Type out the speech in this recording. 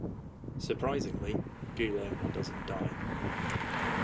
Surprisingly, Gulo doesn't die.